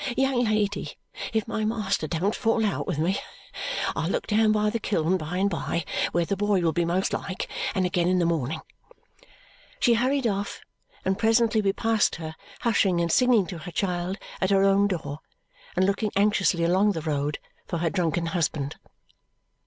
Young lady, if my master don't fall out with me, I'll look down by the kiln by and by, where the boy will be most like, and again in the morning!" She hurried off, and presently we passed her hushing and singing to her child at her own door and looking anxiously along the road for her drunken husband.